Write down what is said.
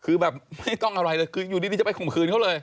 คือแบบไม่ต้องอะไรเลยคืออยู่ดีจะไปข่มขืนเขาเลย